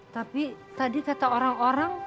tapi tadi kata orang orang